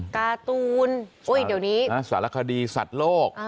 การ์ตูนสารคดีสัตว์โลก